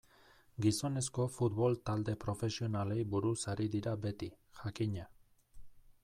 Gizonezko futbol talde profesionalei buruz ari dira beti, jakina.